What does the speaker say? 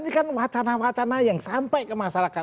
ini kan wacana wacana yang sampai ke masyarakat